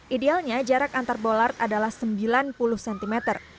idealnya jarak antar bolart adalah sembilan puluh cm